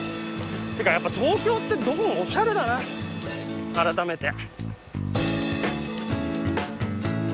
っていうかやっぱ東京ってどこもおしゃれだな改めて。